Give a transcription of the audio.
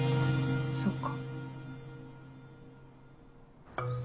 そっか。